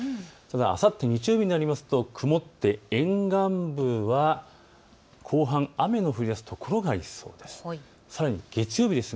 あさって日曜日になりますと曇って沿岸部では後半、雨の降りだす所もありそうです。